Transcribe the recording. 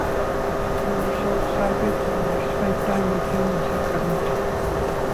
We were so excited when we spent time with him in Sacramento.